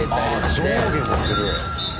あ上下もする。